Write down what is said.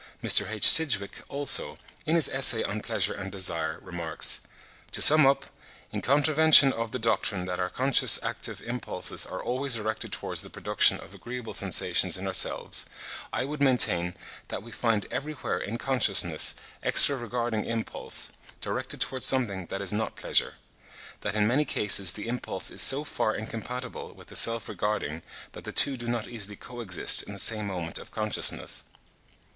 Mr. H. Sidgwick also, in his Essay on Pleasure and Desire ('The Contemporary Review,' April 1872, p. 671), remarks: "To sum up, in contravention of the doctrine that our conscious active impulses are always directed towards the production of agreeable sensations in ourselves, I would maintain that we find everywhere in consciousness extra regarding impulse, directed towards something that is not pleasure; that in many cases the impulse is so far incompatible with the self regarding that the two do not easily co exist in the same moment of consciousness."